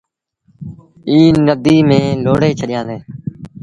ائيٚݩ نديٚ ميݩ لوڙي ڇڏيآندي۔